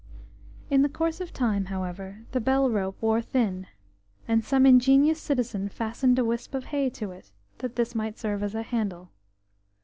In the course of time, however, the bell rope wore thin, and some ingenious citizen fastened a wisp of hay to it, that this might serve as a handle.